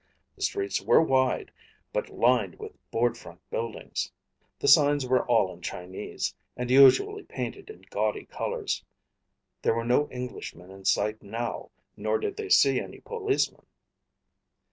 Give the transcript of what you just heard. The streets were wide, but lined with board front buildings. The signs were all in Chinese, and usually painted in gaudy colors. There were no Englishmen in sight now, nor did they see any policemen.